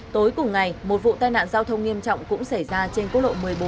tối cùng ngày một vụ tai nạn giao thông nghiêm trọng cũng xảy ra trên quốc lộ một mươi bốn